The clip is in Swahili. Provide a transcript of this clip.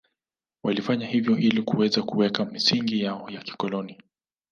Walifanya hivyo ili kuweza kuweka misingi yao ya kikoloni